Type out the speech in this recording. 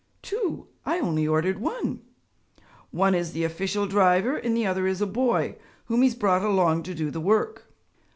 'Two! I only ordered one.' 'One is the official driver and the other is a boy whom he has brought along to do the work.'